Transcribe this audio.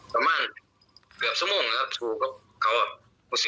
ประมาณเกือบชั่วโมงครับสู่กับเขา